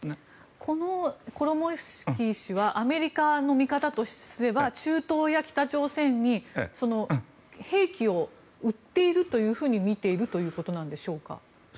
このコロモイスキー氏はアメリカの見方とすれば中東や北朝鮮に兵器を売っているというふうに見ているということなんでしょうか。